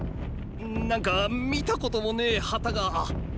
なんか見たこともねェ旗が。